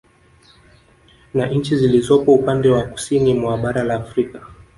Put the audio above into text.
Na nchi zilizopo upande wa Kusini mwa bara la Afrika